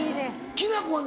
きな粉は？